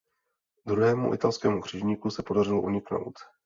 Druhému italskému křižníku se podařilo uniknout.